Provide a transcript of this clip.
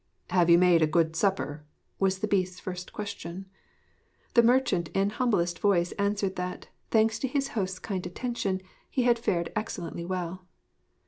'Have you made a good supper?' was the Beast's first question. The merchant in humblest voice answered that, thanks to his host's kind attention, he had fared excellently well.